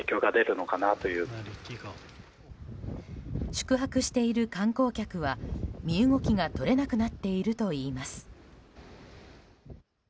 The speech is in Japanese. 宿泊している観光客は身動きが取れなくなっているといいます。